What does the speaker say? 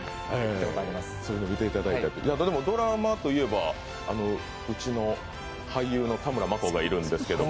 でも、ドラマといえばうちの俳優の田村真子がいるんですけど。